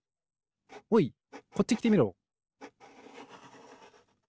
おいこっちきてみろ。